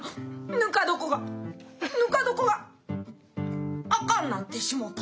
ぬか床がぬか床があかんなってしもうた。